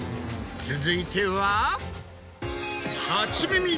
続いては。